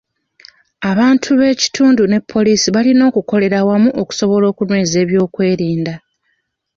Abantu b'ekitundu ne poliisi balina okukolera awamu okusobola okunyweza eby'okwerinda.